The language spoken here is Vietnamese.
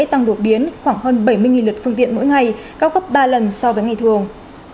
tăng đột biến khoảng hơn bảy mươi lượt phương tiện mỗi ngày cao gấp ba lần so với ngày thường